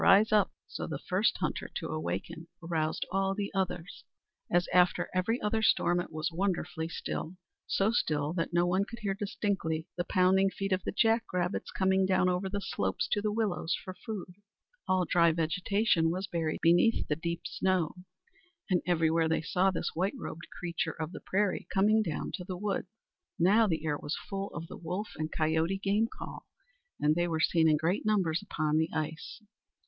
Rise up!" So the first hunter to awaken aroused all the others. As after every other storm, it was wonderfully still; so still that one could hear distinctly the pounding feet of the jack rabbits coming down over the slopes to the willows for food. All dry vegetation was buried beneath the deep snow, and everywhere they saw this white robed creature of the prairie coming down to the woods. Now the air was full of the wolf and coyote game call, and they were seen in great numbers upon the ice.